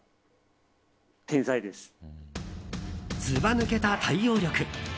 ずば抜けた対応力。